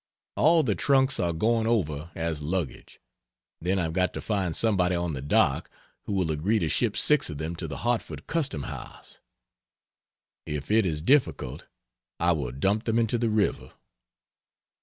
All the trunks are going over as luggage; then I've got to find somebody on the dock who will agree to ship 6 of them to the Hartford Customhouse. If it is difficult I will dump them into the river.